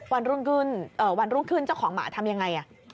วันรุ่งขึ้นเจ้าของหมาทำยังไง